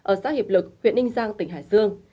ở xã hiệp lực huyện ninh giang tỉnh hải dương